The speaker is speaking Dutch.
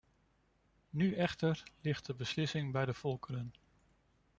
Nu echter ligt de beslissing bij de volkeren.